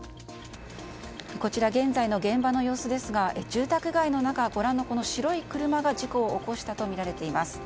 こちら、現在の現場の様子ですが住宅街の中、ご覧の白い車が事故を起こしたとみられています。